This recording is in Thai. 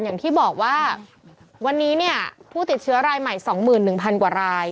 อย่างที่บอกว่าวันนี้เนี่ยผู้ติดเชื้อรายใหม่๒๑๐๐๐กว่าราย